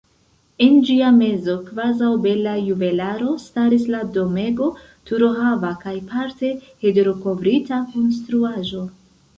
En ĝia mezo, kvazaŭ bela juvelaro, staris la domego, turohava kaj parte hederokovrita konstruaĵo.